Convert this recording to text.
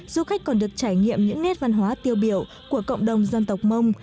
du khách còn được trải nghiệm những nét văn hóa tiêu biểu của cộng đồng dân tộc mông